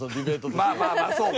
まあまあまあそうか。